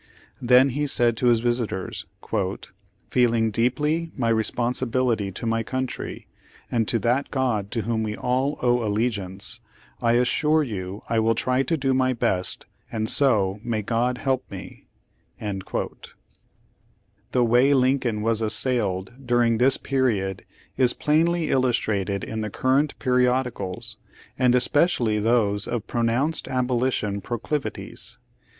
Then he said to his visitors: "Feeling deeply my respon Page Seventy two sibility to my country, and to that God to whom we all owe allegiance, I assure you I will try to do my best, and so may God help me." ' The way Lincoln was assailed during this period is plainly illustrated in the current periodicals, and especially those of pronounced abolition pro clivities.